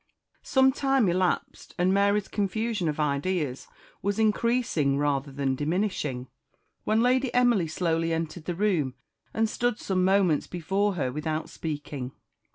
Some time elapsed, and Mary's confusion of ideas was increasing rather than diminishing, when Lady Emily slowly entered the room, and stood some moments before her without speaking.